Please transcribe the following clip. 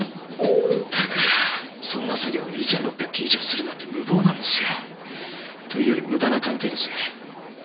だからそんな作業を２６００件以上するなんて無謀なんですよ。というより無駄な鑑定です。